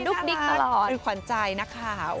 ดึกดิ๊กตลอดดึกขวัญใจนะครับ